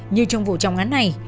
như trong vụ trọng án này